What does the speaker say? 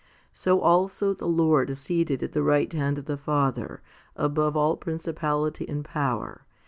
So also the Lord is seated at the right hand of the Father above all princi pality and power?